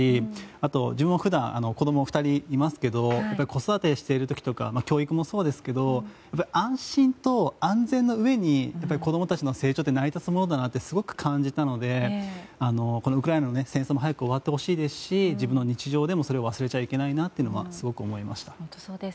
あと、自分も普段子供２人いますけど子育てしている時とか教育もそうですけど安心と安全のうえに子供たちの成長って成り立つものだなってすごく感じたのでこのウクライナの戦争も早く終わってほしいですし自分の日常でもそれを忘れちゃいけないなとすごく思いました。